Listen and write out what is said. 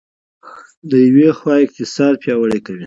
له یوې خوا اقتصاد پیاوړی کوي.